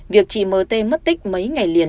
việc chị m t mất tích mấy ngày liền